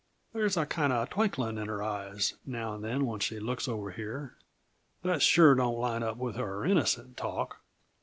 There's a kinda twinkling in her eyes, now and then when she looks over here, that sure don't line up with her innocent talk.